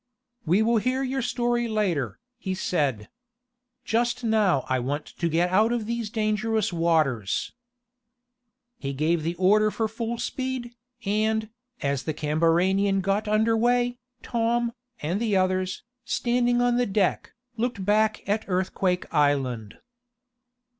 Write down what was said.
"We will hear your story later," he said. "Just now I want to get out of these dangerous waters." He gave the order for full speed, and, as the CAMBARANIAN got under way, Tom, and the others, standing on the deck, looked back at Earthquake Island.